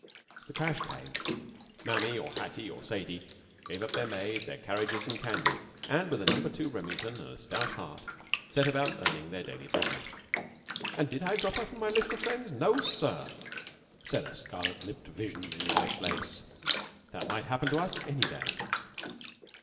The crash came, Mamie, or Hattie, or Sadie, gave up their maid, their carriages and candy, and with a No. 2 Remington and a stout heart set about earning their daily bread. "And did I drop her from the list of my friends? No, sir," said a scarlet lipped vision in white lace; "that might happen to us any day."